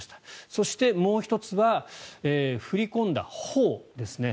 そして、もう１つは振り込んだほうですね。